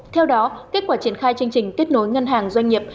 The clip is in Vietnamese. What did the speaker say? theo đó kết quả triển khai chương trình kết nối ngân hàng doanh nghiệp